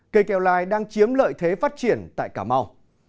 cây keo lai đang chiếm lợi thế phát triển tại cà mau